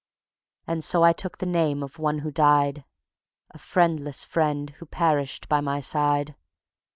And so I took the name of one who died, A friendless friend who perished by my side.